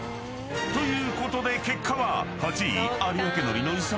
ということで結果は］